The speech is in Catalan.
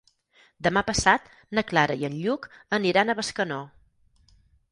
Demà passat na Clara i en Lluc aniran a Bescanó.